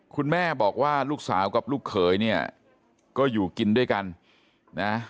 คุณแม่บอกว่าลูกสาวกับลูกเขยเนี่ยก็อยู่กินด้วยกันนะ